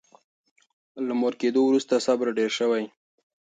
له مور کېدو وروسته صبر ډېر شوی.